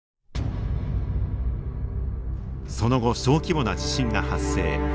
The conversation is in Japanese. その後小規模な地震が発生。